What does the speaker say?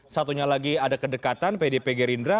satunya lagi ada kedekatan pdp gerindra